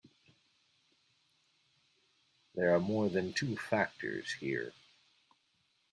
There are more than two factors here.